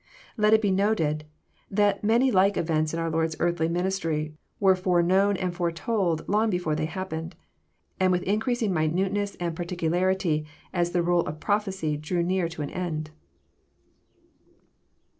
Let it be noted that many like events in our Lord's earthly ministry were foreknown and foretold long before they happened, and with increasing minuteness and particularity as the roll of prophecy drew near to an end.